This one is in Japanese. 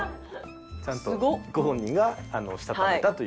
ちゃんとご本人がしたためたという意味で。